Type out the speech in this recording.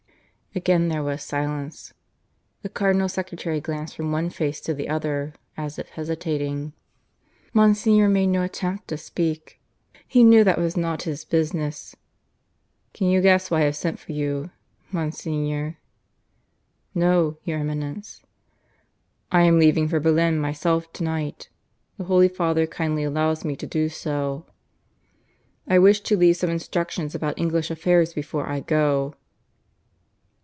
Again there was silence. The Cardinal Secretary glanced from one face to the other, as if hesitating. Monsignor made no attempt to speak. He knew that was not his business. "Can you guess why I have sent for you, Monsignor?" "No, your Eminence." "I am leaving for Berlin myself to night. The Holy Father kindly allows me to do so. I wish to leave some instructions about English affairs before I go."